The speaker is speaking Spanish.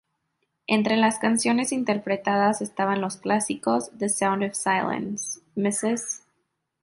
Entre las canciones interpretadas estaban los clásicos "The Sound of Silence", "Mrs.